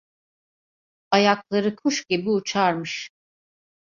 Ayakları kuş gibi uçarmış.